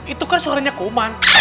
itu kan suaranya kuman